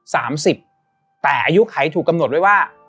สามสิบแต่อายุไขถูกกำหนดไว้ว่า